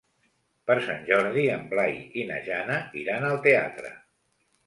Per Sant Jordi en Blai i na Jana iran al teatre.